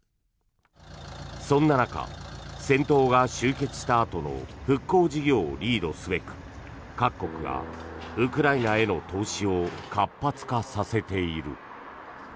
そんな中、戦闘が終結したあとの復興事業をリードすべく各国がウクライナへの投資を活発化させている。